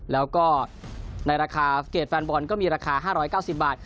แล้วก็ในราคาสเกจแฟนบอลก็มีราคา๕๙๐บาท